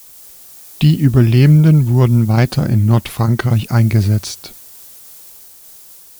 Die Überlebenden wurden weiter in Nordfrankreich eingesetzt.